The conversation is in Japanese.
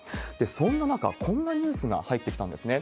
そんな中、こんなニュースが入ってきたんですね。